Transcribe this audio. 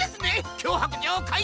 きょうはくじょうをかいたのは！